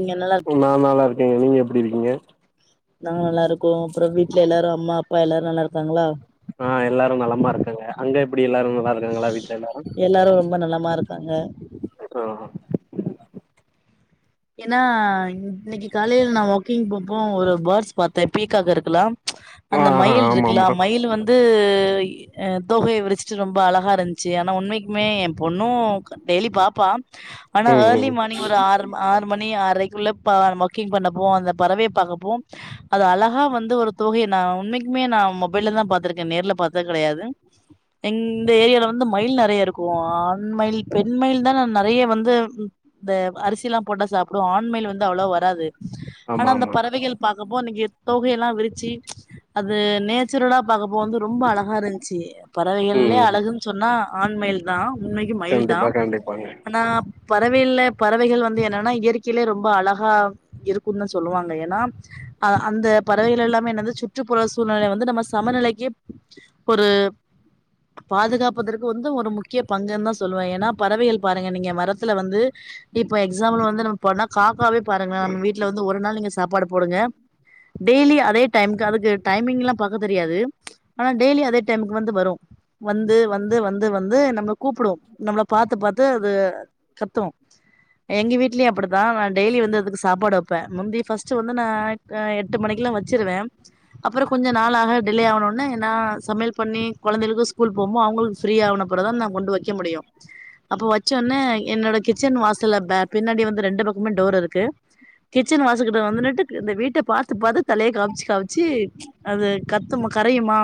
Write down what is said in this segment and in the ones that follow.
இங்க நல்லா நா நல்லாஇருக்கேங்க நீங்க எப் ப்டி இருக்கீங்க நாங்க நல்லா இருக் கோ அப்பற வீட்ல எல்லாரு அம்மாப் ப்பா எல்லாரு நல்லா இருக்காங்களா ஆஹ் எல்லாரு நலமா இருக்காங்க அங்க எப் ப்டி எல்லாரு நல்லா இருக்காங்களா வீட்ல எல்லாரு ரொம்ப நல்லமா இருக்காங்க ஆ ஏனா இன்னைக்கு காலைல நா வாக்கிங் போபோ ஒரு பேட்ஸ் பாத்தே பீக்காக் இருக்குல ஆ அந்த ஆ மயில் ஆமா இருக்குல ஆமா மயிலு வந்து அஹ் தோகைய விருச்சுட்டு ரொம்ப அழகா இருந்ச்சு ஆனா உண்மைக்குமே எ பொண்ணு டெய்லி பாப்பா ஆனா ம் ஏர்லி ம் மார்னிங் ஒரு ஆறு ம் மணி ஆறைக்குள்ள பா வாக்கிங் பண்ண போவோ அந்த பறவைய பாக்கப்போம் அது அழகா வந்து ஒரு தோகைய நா உண்மைக்குமே நா மொபைல்ல தா பாத்திருக்கே நேர்ல பாத்த கெடையாது இந்த ஏரியால வந்து மயில் நெறைய இருக்கு ஆண் மயிலி பெண் மயில் தா நெறைய வந்து ம் இந்த அரிசிலா போட்டா சாப்டு ஆண் மயில் வந்து அவ்ளவா வராது ஆனா ஆமா அந்த ஆமா பறவைகள் பாக்கப்போ அன்னைக்கி தோகையெல்லா விரிச்சு அது நேத் ஸ்சுரல்லா பாக்கும் போது ரொம்ப அழகா இருந்துச்சி பறவைகள்லயே ம் அழகுன்னு சொன்னா நா ஆண் மயில் தா என்னைக்கு மயில் தா கண்டிப்பா கண்டிப்பாங்க ஆனா பறவையில்ல பறவைகள் வந்து என்னன் னா இயற்கையிலே ரொம்ப அழகா இருக்கும்னு சொல்லுவாங்க ஏன்னா அ அந்த பறவைகள் எல்லாமே என்னது சுற்றுப்புற சூழ்நிலை வந்து நம்ம சமநிலைக்கு ஒரு பாதுகாப்பதற்கு வந்து ஒரு முக்கிய பங்குன்தா சொல்லுவ ஏன்னா பறவைகள் பாருங்க நீங்க மரத்துல வந்து இப்ப எக்ஸ் எக்ஸ்சாம்பல் வந்து நம்ப இப்போன்னா காக்காவே பாருங்கள நம்ம வீட்ல வந்து ஒரு நாள் நீங்க சீ சாப்பாடு போடுங்க டெய்லி அதே டைம்க்கு அதுக்கு டைம்மிங் எல்லா பாக்க தெரியாது ஆனா டெய்லி டைம்க்கு வந்து வரும் வந்து வந்து வந்து நம்ப கூப்புடு நம்மள பாத்து பாத்து து அது கத்தும் எங்க வீட்லயு அப்டிதா நா டெய்லி வந்து அதுக்கு சாப்பாடு வைப்பே முந்தி ஃபஸ்ட்டு வந்து நா எட்டு மணிக்கெலா வச்சுருவே அப்பறொ கொஞ்சம் நாளாக டிலே ஆனெனே ஏன்னா சமையல் பண்ணி குழந்தைகளுக்கும் ஸ்கூல் போகும்போது அவங்களுக்கு ஃப்ரீ ஆனப்பிறகு தான் நான் கொண்டு வைக்க முடியும் அப்போ வச்சொனே என்னோட கிச்சன் வாசல்ல பே பின்னாடி வந்து ரெண்டு பக்கமே டோர் இருக்கு கிச்சன் வாசகிட்டு வந்து நின்னுகிட்டு இந்த வீட்ட பாத்து பாத்து தலைய காம்ச்சு காம்ச்சு ம் அது கத்து கரையுமா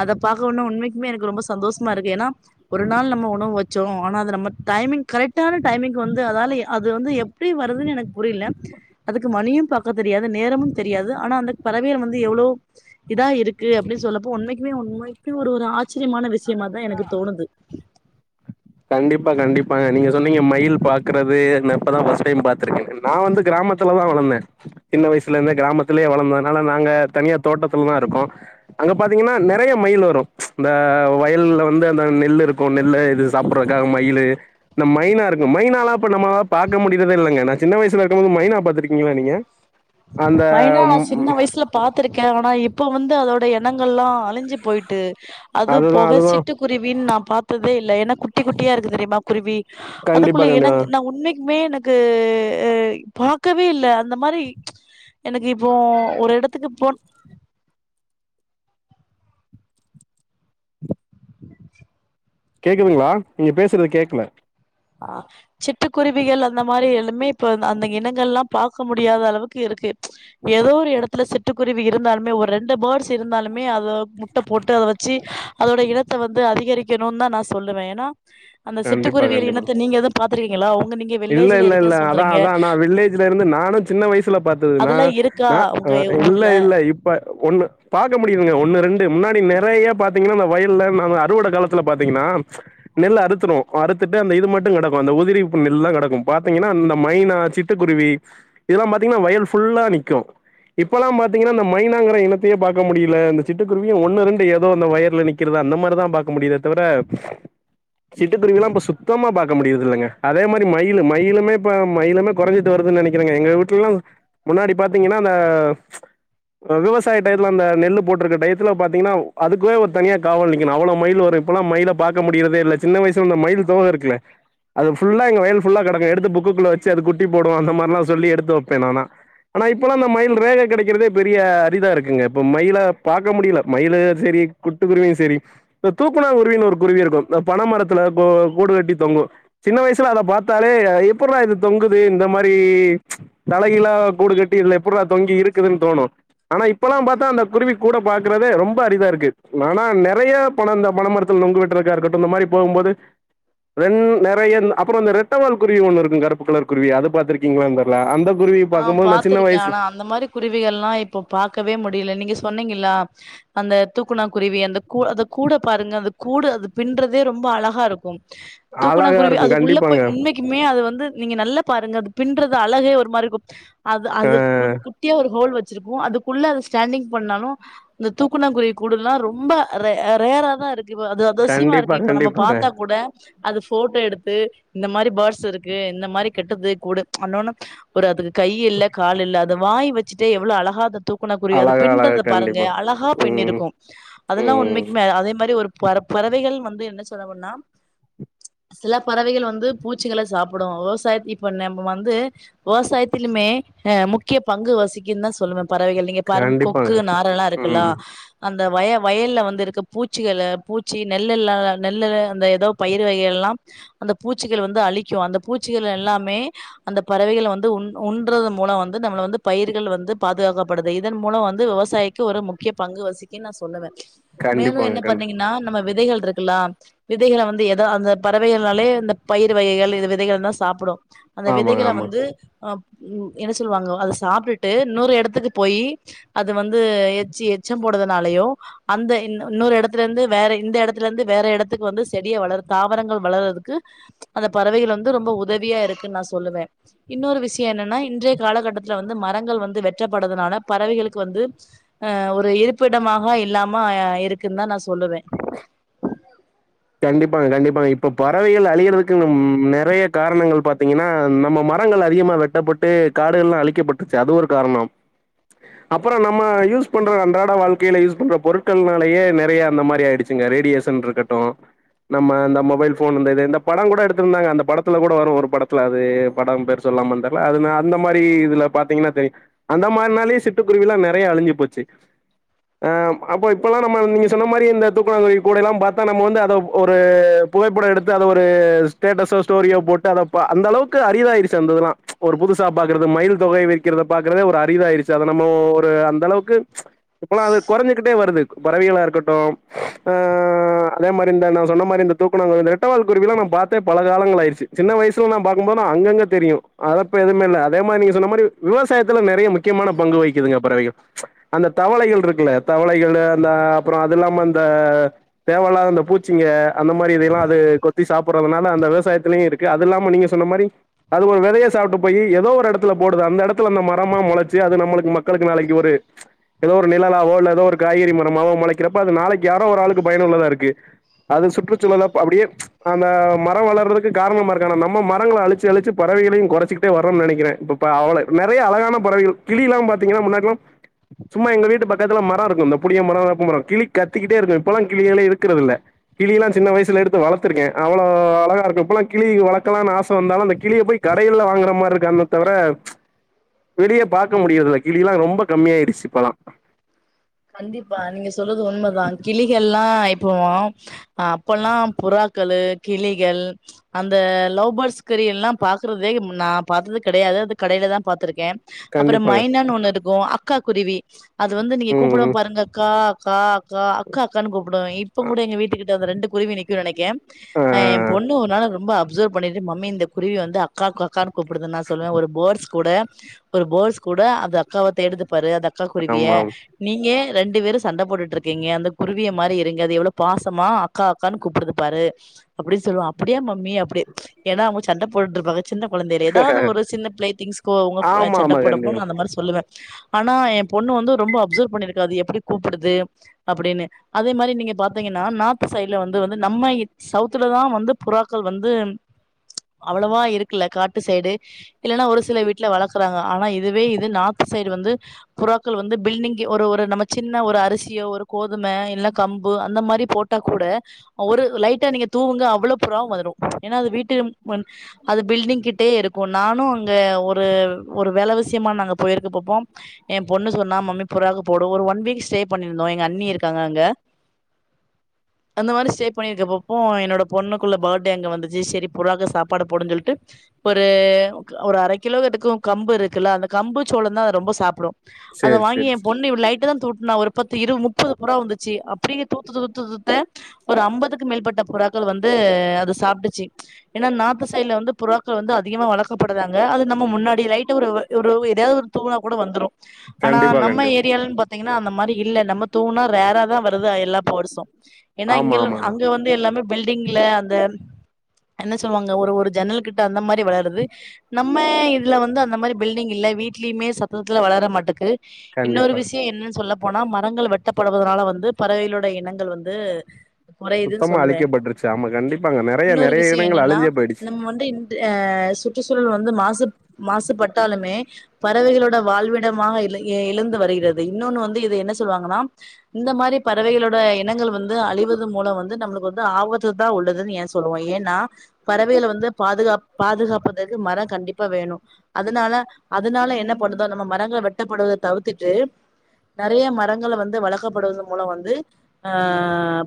அத பாக்க உண்மைக்குமே எனக்கு ரொம்ப சந்தோஷமா இருக்கு ஏன்னா ஒரு நாள் நம்ம உணவு வச்சோ ஆனா நம்ம டைம்மிங்கு கரெக்டான டைம்மிங்க்கு வந்த து அதால அது வந்து எப்டி வருதுன்னு எனக்கு புரியல அதுக்கு மணியு பாக்க தெரியாது நேரமு தெரியாது ஆனா அந்த பறவைகள் வந்து எவ்ளோ இதா இருக்கு அப்டின்னு சொல்லப்ப உண்மைக்குமே உண்மைக்கு ஒரு ஆச்சரியமான விஷ் கண்டிப்பா கண்டிப் பாங்க நீங்க சொன்னீங்க மயில் பாக்கறது இப்போதா ஃபர்ஸ்ட்டு டைம் பாத்துருக்கேன்னு நா வந்து கிராமத்துலதா வளந்தே சின்ன வயசுல இருந்து கிராமத்திலயே வளந்ததுனால நாங்க தனியா தோட்டத்துலதா இருக்கோ அங்க பாத்தீங்கன்னா நெறைய மயில் வரும் இந்த வயல்ல வந்து அந்த நெல்லு இருக்கு நெல்ல இது சாப்பிறதுக்காக மயிலு இந்த மைனா இருக்கும் மைனாலா இப்ப நம்ம பாக்க முடியறதே இல்லங்க நான் சின்ன வயசுல இருக்கும் போது மைனா பாத்துருக்கீங்களா நீங்க அந்த மைனா நா ம் சின்ன ம், வயசுல பாத்திருக்கே ஆனா இப்ப வந்து அதோட இனங்கல்லா அழிஞ்சு போயிட்டு அது அதுதான் போக அதுதான். சிட்டு குருவின்னு நா பாத்ததே இல்ல ஏன்னா குட்டி குட்டியா இருக்கு தெரியுமா குருவி கண்டிப்பா அதுக்குள்ள கண்டிப்பா. இனங் நா உண்மைக்கு மே எனக்கு பாக்கவே இல்ல அந்த மாரி எனக்கு இப்போ ஒரு இடத்துக்கு போ [inaudible] கேக்குதுங்களா நீங்க பேசுறது கேக்கல ஆ சிட்டுக்குருவிகள் அந்த மாறி எல்லாமே இப்ப அந்த இனங்கள்லா பாக்க முடியாத அளவுக்கு இருக்கு ஏதோ ஒரு எடத்துல சிட்டுக்குருவி இருந்தாலுமே ஒரு ரெண்டு பேர்ட்ஸ் இருந்தாலுமே அத முட்ட போட்டு அத வெச்சு அதோட இனத்தை வந்து வந்து அதிகரிக்கணும்னுதா நா சொல்லுவே ஏன்னா அந்த கண்டிப்பா சிட்டுக்குருவிகள் கண்டிப்பா. இனத்த து நீங்க அது பாத் த்ருக்கீங்களா ஓ இல்ல இல்ல இல்ல அதா அதா நா வில்லேஜ்ல இருந்து நானு சின்ன வயசுல பாத்தது நா அதெல்லா இருக்கா உங்க இல்ல ஊர்ல? இல்ல இப்ப ஒண்ணு பாக்க முடியங்க ஒன்னு ரெண்டு முன்னாடி நெறைய பாத்தீங்கனா இந்த வயல்ல அறுவடை காலத்துல பாத்தீங்கன்னா நெல் அறுத்துருவோ அறுத்துட்டு அந்த இது மட்டு கெடக்கும் அந்த உதிரி புல்லு நெல்லா கெடக்கும் பாத்தீங்கன்னா இந்த மைனா சிட்டுக்குருவி இதெல்லா பாத்தீங்கன்னா வயல் ஃபுல்லா நிக்கு இப்பல்லா பாத்தீங்கன்னா இந்த மைனாங்கற இனத்தையே பாக்க முடியல இந்த சிட்டுக்குருவியு ஒன்னு ரெண்டு எதோ இந்த வயல்ல நிக்கறது அந்த மாதிரி தா பாக்க முடியுதே தவிர சிட்டுக்குருவில்லா இப்ப சுத்தமா பாக்க முடியறது இல்லைங்க அதே மாறி மயிலு மயிலுமே இப்ப மயிலுமே கொறஞ்சிட்டு வருதுன்னு நெனைக்கறேங்க எங்க வீட்லல்லா முன்னாடி பாத்தீங்கன்னா அந்த விவசாய டயத்துல அந்த நெல்லு போட்டிருக்க டயத்துல பாத்தீங்கன்னா அதுக்குன்னு ஒரு தனியா காவல் நிக்கணும் அவ்ளோ மயில் வரும் ஆனா இப்பல்லா மயில பாக்க முடியறதே இல்ல சின்ன வயசுல நா மயில் தோகை இருக்குல்ல அது ஃபுல் லா எங்க வயல் ஃபுல்லா கெடக்கு எடுத்து புக்குக்குள்ள வெச்சு அது குட்டி போடும் அந்த மாறில்லா சொல்லி எடுத்து வைப்பே நானா ஆனா இப்பல்லா அந்த மயில் ரேக கெடைக்கறதே பெரிய அரிதா இருக்குங்க இப்ப மயிலே பாக்க முடியல மயிலே சேரி சிட்டுக்குருவியு சேரி இந்த தூக்கணாங்குருவினு ஒரு குருவி இருக்கும் இந்த பனமரத்துல கூ கூடு கட்டி தொங்கும் சின்ன வயசுல மரத்துல அத பாத்தாலே எப்பட்றா இது தொங்குது இந்த மாறி தலைகீழா கூடு கட்டி இதுல எப்பட்றா தொங்கி இருக்குதுன்னு தோணு ஆனா இப்பல்லா பாத்தா அந்த குருவி கூட பாக்கறதே ரொம்ப அரிதா இருக்கு ஆனா நெறைய பன பனைமரத்துல நுங்கு வெட்றதுக்கா இருக்கட்டும் இந்த மாறி போகும்போது ரெ நெறைய அப்றொ அந்த ரெட்டவால் குருவி ஒண்ணு இருக்கு கருப்பு கலர் குருவி அது பாத்திருக்கீங்களானு தெர்ல அந்த குருவி ஆ பாக்கும்போது நா சின்ன பாத்திருக்கே வயசுல ஆனா அந்த மாறி குருவிகள் எல்லா இப்ப பாக்கவே முடியல நீங்க சொன்னீங்கல சொன்னிங்கல அந்த தூக்குனா குருவி அந்த அது கூட பாருங்க அது கூட அது பின்றதே ரொம்ப அழகா இருக்கும் ஆ தூக்கணங் அழகா குருவி இருக்கு அதுக்கு உள்ள கண்டிப்பாங்க போய் இன்னைக்குமே அது வந்து நீங்க நல்லா பாருங்க அது பின்றது அழகே ஒரு மாறி அது அ அது கு குட்டிய ஒரு ஹோல் வெச் இருக்கும். அதுக்குள்ள அத ஸ்டாண்டிங் பண்ணாலும் அ தூக்கணாங்குருவி கூடெல்லாம் ரொம்ப ரேரா தான் இருக்கு அது அதிசயமா கண்டிப்பா இருக்கு இப்ப நம்ம கண்டிப்பாங்க பாத்தா கூட அது ஃபோட்டோ எடுத்து இந்த மாறி பேர்ட்ஸ் இருக்கு. இந்த மாறி கெட்டது கூடு ஒன்னொன்னு ஒரு அதுக்கு கை இல்ல கால் இல்ல. அது வாய் வெச்சுட்டே எவ்ளோ அழகா அது தூக்கணாங்குருவி அது அழகா அழகா பின்றத பாருங்க கண்டிப்பா அழகா ம் பின்னிருக்கும். அதெல்லாம் ம் உண்மைக்குமே அதே மாறி ஒரு பற பறவைகள் வந்து என்ன சொன்னனா சில பறவைகள் வந்து பூச்சிகளை சாப்புடும் விவசாயத்தை இப்ப நம்ம வந்து விவசாயத்திலயுமே ஹ முக்கிய பங்கு வசிக்குன்னு தான் சொல்லுவேன் பறவைகள் நீங்க பாரு கண்டிப்பாங்க கொக்கு நாரல்லாம் இருக்குல்லா ம் அ அந்த வய வயல்ல வந்து இருக்க பூச்சிகள பூச்சி நெல்லெல்லா நெல்லு அது ஏதோ பயிர் வகைகள் எல்லாம் அந்த பூச்சிகள் வந்து அழிக்கும். அந்த பூச்சிகள் எல்லாமே அந்த பறவைகள் வந் வந்து உண்றது மூலம் வந்து நம்ப வந்து பயிர்கள் வந்து பாதுகாக்கப்படுது. இதன் மூலம் வந்து விவசாய்க்கு ஒரு முக்கிய பங்கு வசிக்குனு நா சொல்லுவேன் மேலும் கண்டிப்பாங்க என்ன கண்டிப்பா பண்ணீங்கன்னா நம்ம விதைகள் இருக்குல்ல விதைகளை வந்து எதோ அந்த பறவைகள்னாலே இந்த பயிர் வகைகள் இந்த விதைகள் தான் சாப்பிடும் அந்த ஆமாங்க விதைகள ஆமாங்க வந்து அ என்ன சொல்லுவாங்க அதை சாப்பிட்டுட்டு இன்னொரு இடத்துக்கு போய் அது வந்து எச்ச எச்சம் போடுதுனாலயோ அந்த இன்னொரு இடத்துல இருந்து வேற இந்த இடத்துல இருந்து வேற இடத்துக்கு வந்து செடியை வளர தாவரங்கள் வளரறதுக்கு அந்த பறவைகள் வந்து ரொம்ப உதவியா இருக்குன்னு நான் சொல்லுவேன். இன்னொரு விஷயம் என்னன்னா இன்றைய காலகட்டத்துல வந்து மரங்கள் வந்து வெட்டப்படறதுனால பறவைகளுக்கு வந்து ஒரு இருப்பிடமாக இல்லாம இருக்குன்னு தான் நான் சொல்லுவேன் கண்டிப்பாங்க கண்டிப்பாங்க. இப்ப பறவைகள் அழியறதுக்கு நெறைய காரணங்கள். பாத்தீங்கன்னா நம்ம மரங்கள் அதிகமா வெட்டப்பட்டு காடுகள் எல்லா அழிக்கப்பட்டுச்சு அது ஒரு காரணம். அப்புறம் நம்ம யூஸ் பண்ற அன்றாட வாழ்க்கையில யூஸ் பண்ற பொருட்கள்னாலயே நெறைய அந்த மாதிரி ஆயிடுச்சுங்க. ரேடியேஷன் இருக்கட்டு நம்ம இந்த மொபைல் ஃபோன் இந்த இ இந்த படம் கூட எடுத்துருந்தாங்க. அந்த படத்துல கூட வரும் ஒரு படத்துல அது படம் பேர் சொல்லாமானு தெர்ல அது அந்த மாதிரி இதுல பாத்தீங்கன்னா தெரியு அந்த மாதிரினாலேயே சிட்டுக்குருவி எல்லா நெறைய அழி்ஞ்சு போச்சு. அஹ் அப்போ இப்பல்லா நம்ம நீங்க சொன்ன மாதிரி இந்த தூக்கனாங்கருவி கூட எல்லா பாத்தா நம்ம வந்து அத ஒரு புகைப்படோ எடுத்து அத ஒரு ஸ்டேட்டஸோ ஸ்டோரியோ போட்டு அதப்பா அந்த அளவுக்கு அரிதாயிருச்சு அந்ததுல்லா ஒரு புதுசா பாக்குறது மயில் தோகை விரிக்கிறத பாக்குறதே ஒரு அரிதாயிருச்சு. அதை நம்மோ ஒரு அந்தளவுக்கு இப்பல்லா அது கொறஞ்சுகிட்டே வருது. பறவைகளா இருக்கட்டு ஆஹ் அதே மாரி இந்த ந சொன்னமாரி அந்த தூக்கணாங்குருவி அந்ந ரெட்டைவால் குருவில்லா நா பாத்தே பல காலங்கள் ஆயிருச்சு. சின்ன வயசுல நான் பாக்கும் போதென்னா அங்கங்க தெரியு. அதெப்ப எதுமேல்ல. அதேமாரி நீங்க சொன்னமாரி விவசாயத்துல நெறைய முக்கியமான பங்கு வகிக்குதுங்க பறவைகள் அந்த தவளைகள் இருக்குல தவளைகளு அந்த அப்றோ அதில்லாம அந்த தேவையில்லாத அந்த பூச் சீங்க அந்த மாரி இதையல்லா அது கொத்தி சாப்பட்றதுனால அந்த விவசாயத்துலயு இருக்கு. அது இல்லாம நீங்க சொன்ன மாரி அது ஒரு விதய சாப்ட்டு போய் ஏதோ ஒரு எடத்துல போடுது. அந்த எடத்துல அந்த மரமா மொளைச்சு அது நம்மளுக்கு மக்களுக்கு நாளைக்கு ஒரு ஏதோ ஒரு நிழலாவோ இல்ல ஏதோ ஒரு காய்கறி மரமாவோ மொளைக்கிறப்ப அது நாளைக்கு யாரோ ஒரு ஆளுக்கு பயனுள்ளதா இருக்கு அது சுற்றுச்சூழல அப்பயே அந்த மரம் வளர்றதுக்கு காரணமா இருக்கு. ஆனா நம்ம மரங்கள அழிச்சு அழிச்சு பறவைகளையு கொறச்சுிக்கிட்டே வரோம்னு நெனைக்கிற. இப்ப அவள நெறைய அழகான பறவைகள் கிளில்லா பாத்தீங்கன்னா முன்னாடில்லா சும்மா எங்க வீட்டு பக்கத்துல மரம் இருக்கு அ இந்த புளிய மரோ, வேப்ப மரோ கிளி கத்திக்கிட்டே இருக்கு. இப்பல்லா கிளிகளே இருக்கிறது இல்ல கிளில்லா சின்ன வயசுல எடுத்து வளத்துர்க்க. அவ்ளோ அழகா இருக்கு இப்போல்லா கிளிக வளர்க்கலானு ஆச வந்தாலு அந்த கிளிய போய் கடையில்ல வாங்குற மாரி இருக்கு. அந்த தவிர வெளிய பாக்க முடியறதில கிளி எல்லா ரொம்ப கம்மியாயிடுச்சு இப்பலா கண்டிப்பா நீங்க சொல்றது உண்மதா. கிளிகல்லா இப்போ அப்பல்லா புறாக்களு கிளிகள் அந்த லவ்பர்ட்ஸ் கறி எல்லா பாக்குறதே நா பாத்தது கெடையாது. அது கடையிலதா பாத்திருக்கே. அப்பறோ கண்டிப்பாங்க மைனான் ஒண்ணு இருக்கு க்காகுருவி அது வந்து ம் கூப்டுவோ ம் பாருங்க கா காக் கா அக்கா அக்கான்னு கூப்படுவ. அ இப்பங்கூட எங்க வீட்டுக்கிட்ட அத ரெண்டு குருவி நிக்கு நெனைக்க. அஹ் என் ஆ பொண்ணு ஒருநாலு ரொம்ப அப் அப்சர்வ் பண்ணிட்டு மம்மி இந்த குருவி வந்து அக்கா கொக்கக்கானு கூப்படுதுன் நா சொல்லுவ ஒரு பேட்ர்ஸ் கூட ஒரு பேட்ஸ் கூட அது அக்காவ தேடுது பாரு அந்த அக்கா குருவிய ஆமா ஆமா நீங்க ரெண்டு வேரு சண்ட போட்டுட்ருக்கீங்க அந்த குருவிய மாரி இருங்க அது எவ்ளோ பாசமா அக்கா அக்கான் கூப்பிடுது பாரு அப்படின் சொல்லுவ அப்டியா மம்மி அப்டி ஏனா அவுங்க சண்ட போட்ருப்பாங்க சின்ன கொழந்தேல எதாது ஒரு சின்ன பிளே திங்ஸ்க்கோ அவங்க அ ஆமா சண்ட ஆமா போடறப்ப கண்டிப்பா அந்த மாரி சொல்லுவ ஆனா என் பொண்ணு வந்து ரொம்ப அப்சர்வ் பண்ணிருக்கு அது எப்டி கூப்புடுது அப்டின்னு அதே மாரி நீங்க பாத்தீங்கன்னா நார்த் சைடுல வந்து வந்து நம்ம சவுத்துலதா வந்து புறாக்கள் வந்து அவ்ளவா இருக்குல காட்டு சைடு இல்லனா ஒரு சில வீட்ல வளக்கறாங்க ஆனா இதுவே இது நார்த்துசைடு வந்து புறாக்கள் வந்து பில்டிங் ஒரு ஒரு நம்ம சின்ன ஒரு அரிசியோ ஒரு கோதும இல்ல கம்பு அந்த மாரி போட்டா கூட ஒரு லைட்டா நீங்க தூவுங்க அவ்ளோ புறாவு வரு ஏனா அது வீட்டு மன் அது பில்டிங் கிட்டே இருக்கு நானு அங்க ஒரு ஒரு வேல விசியமான நாங்க போயிருக்க போப்போ ஏ பொண்ணு சொன்னா மம்மி புறாக் போடு ஒரு ஒன் வீக் ஸ்டே பண்ணிருந்தோ எங்கள் அண்ணி இருக்காங்க அங்க அந்த மாரி ஸ்டே பண்ணிருக்க பொப்போ என்னோட பொண்ணுக்குள்ள படே அங்க வந்துச்சு சரி புறாக சாப்பாடு போடுன் சொல்லிட்டு ஒரு ஒரு அர கிலோகட்டுக்கு கம்பு இருக்குல அந்த கம்பு சோளந் தா அது ரொம்பொ சாப்டு சேரி சேரி லைட்டதா தூட்னா ஒரு பத்து இரு முப்பது புறா வந்துச்சு அப்டியே தூத்து தூத்து தூத்த ஒரு அம்பதுக்கு மேற்பட்ட புறாக்கள் வந்து அது சாப்ட்டுச்சு ஏனா நார்த் சைட்ல வந்து புறாக்கள் வந்து அதிகமா வளக்கப்படுதாங்க அது நம்ம முன்னாடி லைட்ட ஒர் ஒரு ஏதாது ஒரு தூவனா கூட வந்துடு கண்டிப்பா நம்ம கண்டிப்பா ஏரியாலன் பாத்தீங்கனா அந்த மாரி இல்ல நம்ம தூவ்னா ரேரா தா வருது எல்லா பேட்ஸு ஏனா ஆமா இங்க ஆமாங்க அங்க வந்து எல்லாமே பில்டிங்ல அந்த என்ன சொல்வாங்க ஒரு ஒரு ஜன்னல் கிட்ட அந்த மாரி வளருது நம்ம இதுல வந்து அந்த மாரி பில்டிங் இல்ல வீட் ட்லீமே சத்தத்துல வளர மாட்டக்கு இன்னோரு கண்டிப்பா விஷ்ய என்னன் சொல்ல போனா மரங்கள் வெட்டப்படுவதனால வந்து பறவைலோட இனங்கள் வந்து குறையுதுன்னு சுத்தமா சொல்லுவே அழிக்கப்பட்ருச்சு ஆமா கண்டிப்பாங்க நெறைய நெறைய இனங்கள் அழிஞ்சே போயிடுச்சு ஆ சுற்றுச்சூழல் வந்து மாசு மாசுபாட்டாலுமே பறவைகளோட வாழ்விடமாக இ இழந் வருகிறது இன்னுனு வந்து இது என்ன சொல்வாங்கனா இந்த மாரி பறவைகளோட இனங்கள் வந்து அழிவது மூலம் வந்து நமக்கு வந்து ஆவத்து தா உள்ளது ஏன் சொல்வோ ஏன்னா பறவைங்கள வந்து பாதுகா பாகாப்பதற்கு மர கண்டிப்பா வேணு அதுனால அதனால என்ன பண்ணுது நம்ம மரங்கள் வெட்டப்படுவத தவிர்த்து த்துட்டு நறைய மரங்கள வந்து வளக்கப்படுவத மூலம் வந்து ஆ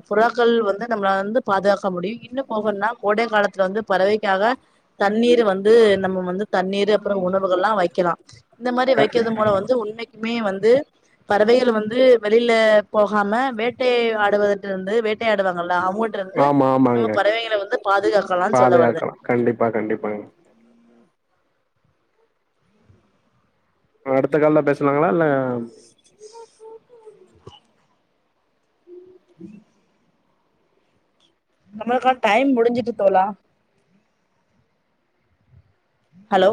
புறாக்கள் வந்து நம்மள வந்து பாதுகாக்க முடியு இன்னு போகன்னா கோடை காலத்துல வந்து பறவைக்காக தண்ணீர் வந்து நம்ம வந்து தண்ணீரு அப்ற உணவுகள்லாம் வைக்கலா இந்த மரி க வைக்கிறது மூலம் வந்து உண்மைக்கு வந்து பறவைகள் வந்து வெளில போகாம வேட்டை ஆடுவதருந்து வேட்டை ஆடுவாங்கள அவங்கட்ருந்து ஆமா நம்ம ஆமாங்க பறவைகள வந்து பாதுகாக்கலானு சொல்ல வர்தே பாதுகாக்கலா கண்டிப்பா கண்டிப்பாங்க அடுத்த கால்ல பேசலாங்ளா இல்ல [unintelligible] [inaudible] நம்ளுக்கு டைம் முடிஞ்சிட்டு தோழா ஹலோ